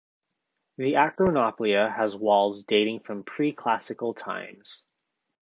The Acronauplia has walls dating from pre-classical times.